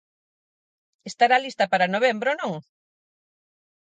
Estará lista para novembro, non?